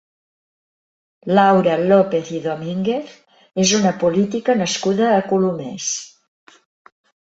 Laura López i Domínguez és una política nascuda a Colomers.